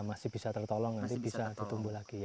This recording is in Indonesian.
masih bisa tertolong nanti bisa ditumbuh lagi ya